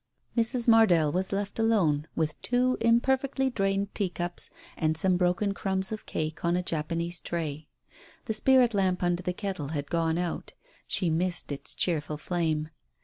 Mrs. Mardell was left alone, with two imperfectly drained tea cups and some broken crumbs of cake on a Japanese tray. The spirit lamp under the kettle had gone out — she missed its cheerful flame.